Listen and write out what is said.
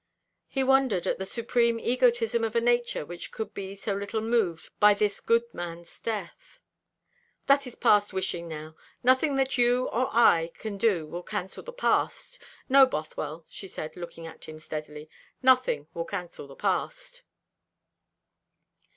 He wondered at the supreme egotism of a nature which could be so little moved by this good man's death. "That is past wishing now. Nothing that you or I can do will cancel the past. No, Bothwell," she said, looking at him steadily, "nothing will cancel the past."